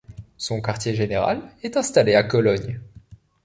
Son quartier général est installé à Cologne.